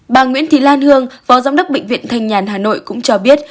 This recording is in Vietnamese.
bà nguyễn thị lan hương phó giám đốc bệnh viện thanh nhàn hà nội cũng cho biết